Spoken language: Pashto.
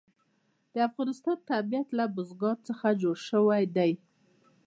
د افغانستان طبیعت له بزګان څخه جوړ شوی دی.